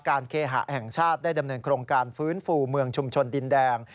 เคหะแห่งชาติได้ดำเนินโครงการฟื้นฟูเมืองชุมชนดินแดง